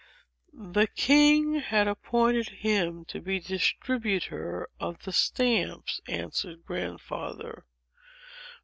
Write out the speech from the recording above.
"The king had appointed him to be distributor of the stamps," answered Grandfather.